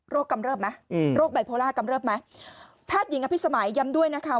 กำเริบไหมอืมโรคไบโพล่ากำเริบไหมแพทย์หญิงอภิษมัยย้ำด้วยนะคะ